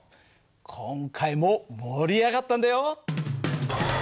今回も盛り上がったんだよ！